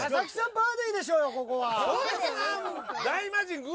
バーディーでしょうよここは。